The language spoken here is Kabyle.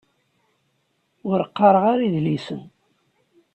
Ur qqaṛeɣ ara idlisen.